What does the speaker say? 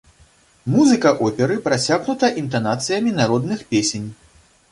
Музыка оперы прасякнута інтанацыямі народных песень.